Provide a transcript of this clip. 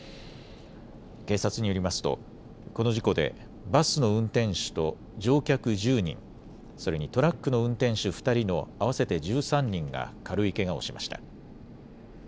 警察によりますとこの事故でバスの運転手と乗客１０人、それにトラックの運転手２人の合わせて１３人が軽いけがをしました。